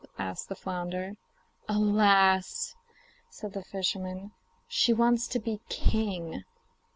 asked the flounder. 'Alas!' said the fisherman, 'she wants to be king.